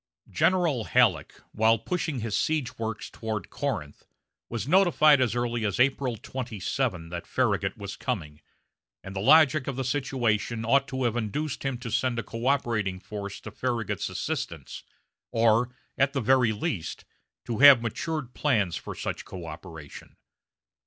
General Halleck, while pushing his siege works toward Corinth, was notified as early as April 27 that Farragut was coming, and the logic of the situation ought to have induced him to send a coöperating force to Farragut's assistance, or, at the very least, to have matured plans for such coöperation.